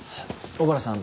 小原さん。